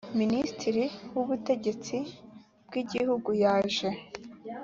minisitiri w ubutegetsi bwigihugu yaje